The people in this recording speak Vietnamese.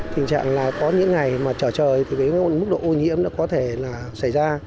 tình trạng là có những ngày mà trở trời thì cái mức độ ô nhiễm nó có thể là xảy ra